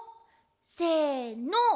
せの！